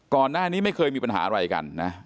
ก่อนหน้านี้ไม่เคยมีปัญหาอะไรกันนะ